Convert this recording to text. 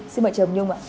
xin mời chào hồng nhung ạ